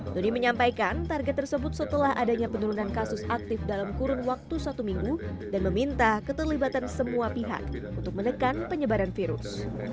dodi menyampaikan target tersebut setelah adanya penurunan kasus aktif dalam kurun waktu satu minggu dan meminta keterlibatan semua pihak untuk menekan penyebaran virus